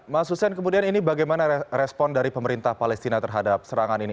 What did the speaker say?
mas hussein kemudian ini bagaimana respon dari pemerintah palestina terhadap serangan ini